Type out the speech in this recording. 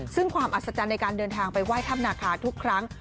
ซึ่งความอัศจรรย์ในการเดินทางไปไหว้ถ้ำนาคาทุกครั้ง